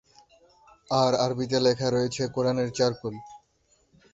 আর আরবিতে লেখা রয়েছে কোরআনের চার কুল।